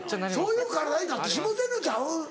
そういう体になってしもうてんのちゃう？